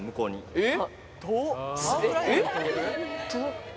えっ？